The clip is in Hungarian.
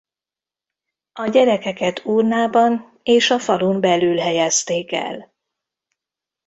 A gyerekeket urnában és a falun belül helyezték el.